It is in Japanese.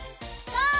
ゴー！